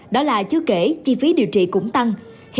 đó là chưa kể chi phí điều trị cũng tăng